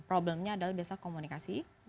problemnya adalah biasa komunikasi